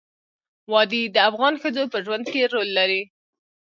وادي د افغان ښځو په ژوند کې رول لري.